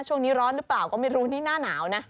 ช่วงนี้ร้อนหรือเปล่าก็ไม่รู้นี่หน้าหนาวนะ